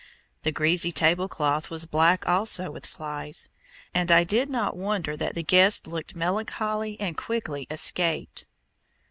The greasy table cloth was black also with flies, and I did not wonder that the guests looked melancholy and quickly escaped.